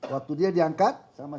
waktu dia diangkat sama